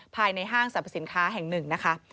ภายในห้างสรรพสินค้าแห่งหนึ่งนะคะ